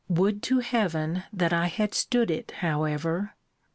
Would to Heaven, that I had stood it, however!